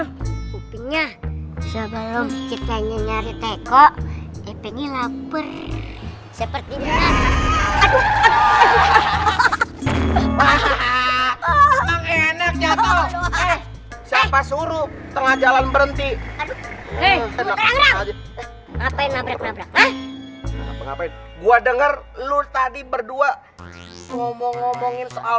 lu tengah jalan berhenti ngapain ngapain gua denger lu tadi berdua ngomong ngomongin soal